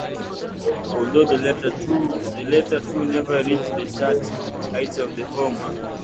Although the latter two never reached the chart heights of the former.